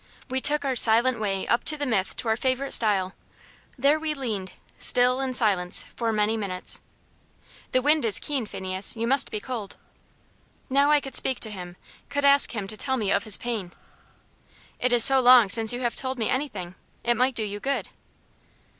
We took our silent way up to the Mythe to our favourite stile. There we leaned still in silence, for many minutes. "The wind is keen, Phineas; you must be cold." Now I could speak to him could ask him to tell me of his pain. "It is so long since you have told me anything. It might do you good."